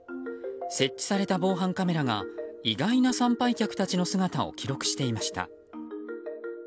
設置された防犯カメラが意外な参拝客たちの姿を記録していました。